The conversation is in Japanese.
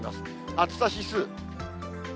暑さ指数。